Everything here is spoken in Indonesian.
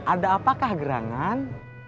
ada apakah gerangan